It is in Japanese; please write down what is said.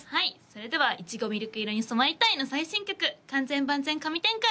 それではいちごみるく色に染まりたい。の最新曲「完全万全神展開」